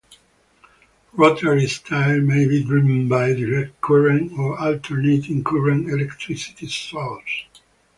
Rotary style may be driven by direct current or alternating current electricity source.